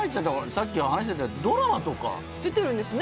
さっき話してたドラマとか出てるんですね